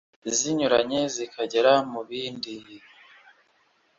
zinyuranye zikagera mu mubiri …